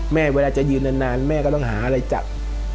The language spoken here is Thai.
เวลาจะยืนนานแม่ก็ต้องหาอะไรจัด